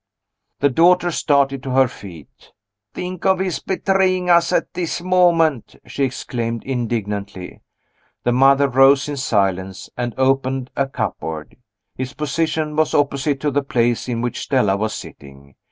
The daughter started to her feet. "Think of his betraying us at this moment!" she exclaimed indignantly. The mother rose in silence, and opened a cupboard. Its position was opposite to the place in which Stella was sitting.